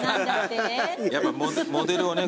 やっぱモデルをね